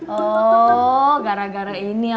oh gara gara ini ya